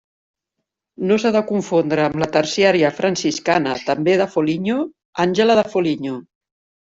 No s'ha de confondre amb la terciària franciscana, també de Foligno, Àngela de Foligno.